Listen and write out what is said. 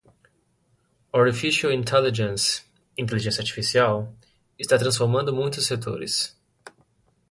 Artificial Intelligence (Inteligência Artificial) está transformando muitos setores.